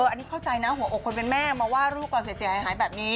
อันนี้เข้าใจนะหัวอกคนเป็นแม่มาว่าลูกก่อนเสียหายแบบนี้